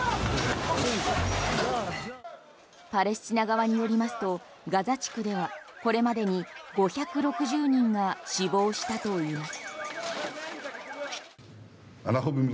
パレスチナ側によりますとガザ地区ではこれまでに５６０人が死亡したといいます。